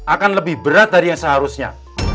akan lebih berat dari yang seharusnya